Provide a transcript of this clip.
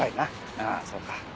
ああそうか。